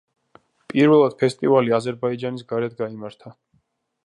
პირველად ფესტივალი აზერბაიჯანის გარეთ გაიმართა.